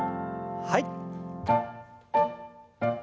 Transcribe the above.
はい。